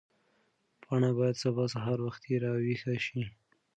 پاڼه باید سبا سهار وختي راویښه شي.